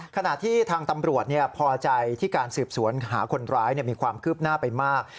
ขณะที่ทางตำรวจพอใจที่การสืบสวนหาคนร้ายมีความคืบหน้าไปมาก